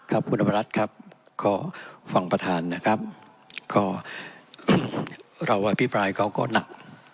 ครับคุณอภรัฐครับก็ฟังประธานนะครับก็เราอภิปรายเขาก็หนัก